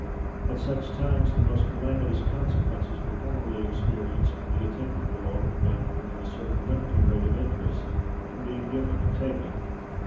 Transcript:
At such times the most calamitous consequences were formerly experienced from the attempt of the law to prevent more than a certain limited rate of interest from being given or taken.